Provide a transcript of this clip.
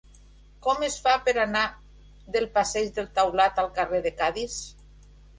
Com es fa per anar del passeig del Taulat al carrer de Cadis?